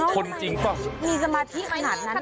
คนจริงป่ะ